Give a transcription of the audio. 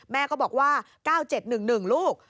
แม่ก็บอกว่า๙๗๑๑ลูก